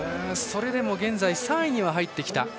それでも現在３位には入ってきた。